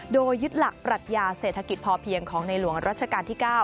โดยยึดหลักปรัชญาเศรษฐกิจพอเพียงของในหลวงรัชกาลที่๙